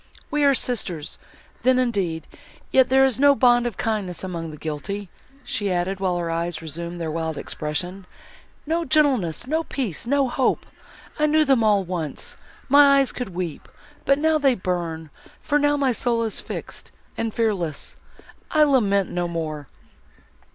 We are sisters, then indeed. Yet, there is no bond of kindness among the guilty," she added, while her eyes resumed their wild expression, "no gentleness,—no peace, no hope! I knew them all once—my eyes could weep—but now they burn, for now, my soul is fixed, and fearless!—I lament no more!"